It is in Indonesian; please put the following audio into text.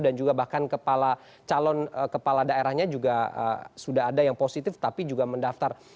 dan juga bahkan calon kepala daerahnya juga sudah ada yang positif tapi juga mendaftar